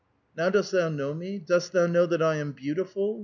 Now dost thou know me? Dost thou know that I am beautiful?